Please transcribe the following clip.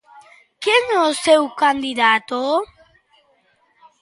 Quen é o seu candidato?